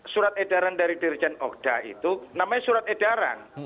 surat edaran dari dirjen okda itu namanya surat edaran